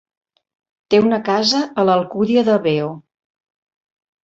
Té una casa a l'Alcúdia de Veo.